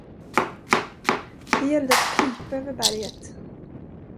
Det gällde att krypa över berget.